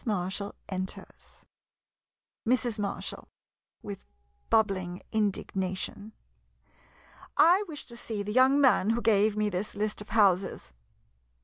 Mar shall enters. Mrs. Marshall [With bubbling indignation.] I wish to see the young man who gave me this list of houses.